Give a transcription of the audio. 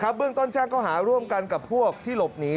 เบื้องต้นแจ้งเขาหาร่วมกันกับพวกที่หลบหนี